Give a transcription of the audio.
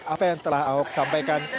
apa yang telah ahok sampaikan